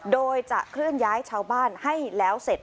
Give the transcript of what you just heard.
โดยจะเคลื่อนย้ายชาวบ้านให้แล้วเสร็จ